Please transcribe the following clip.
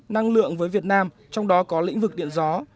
năng lượng với việt nam trong đó có lĩnh vực điện gió